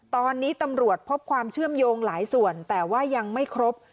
ตอนนี้ตำรวจพบความเชื่อมโยงหลายส่วนแต่ว่ายังไม่ครบ